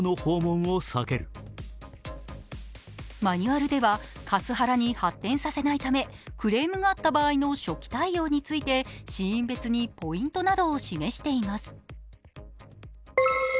マニュアルではカスハラに発展させないためクレームがあった場合の初期対応についてシーン別にポイントなどを示しています。